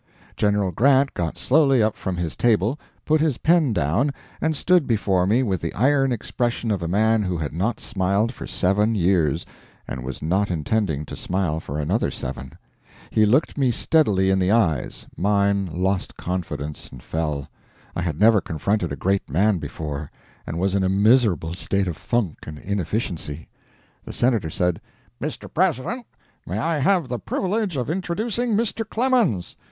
General Grant got slowly up from his table, put his pen down, and stood before me with the iron expression of a man who had not smiled for seven years, and was not intending to smile for another seven. He looked me steadily in the eyes mine lost confidence and fell. I had never confronted a great man before, and was in a miserable state of funk and inefficiency. The Senator said: "Mr. President, may I have the privilege of introducing Mr. Clemens?"